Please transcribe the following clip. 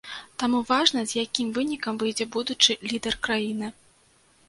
Таму важна, з якім вынікам выйдзе будучы лідар краіны.